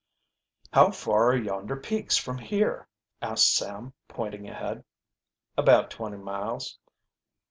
"How far are yonder peaks from here?" asked Sam, pointing ahead. "About twenty miles."